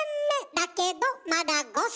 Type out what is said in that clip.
だけどまだ５歳！